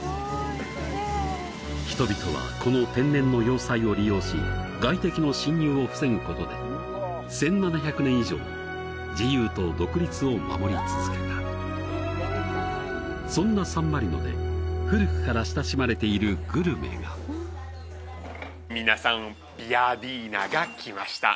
人々はこの天然の要塞を利用し外敵の侵入を防ぐことで１７００年以上自由と独立を守り続けたそんなサンマリノで古くから親しまれているグルメが皆さんピアディーナが来ました